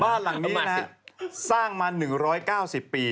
บ้านหลังนี้นะสร้างมา๑๙๐ปี